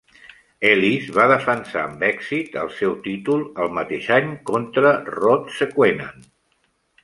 Ellis va defensar amb èxit el seu títol el mateix any contra Rod Sequenan.